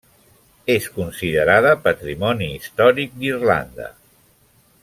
És considerada patrimoni històric d'Irlanda.